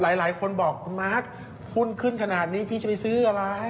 หลายคนบอกคุณมาร์คหุ้นขึ้นขนาดนี้พี่จะไปซื้ออะไร